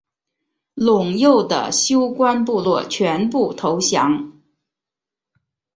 陇右的休官部落全部投降。